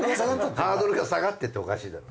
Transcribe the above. ハードルが下がってっておかしいだろ。